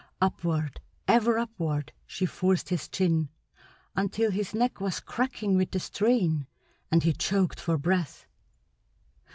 Upward, ever upward, she forced his chin until his neck was cracking with the strain and he choked for breath.